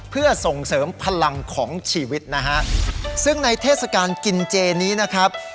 เพื่อส่งเสริมพลังของชีวิตนะฮะซึ่งในเทศกาลกินเจนี้นะครับ